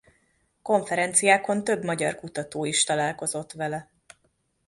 Konferenciákon több magyar kutató is találkozott vele.